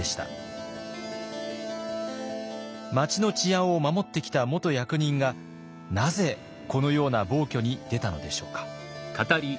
町の治安を守ってきた元役人がなぜこのような暴挙に出たのでしょうか。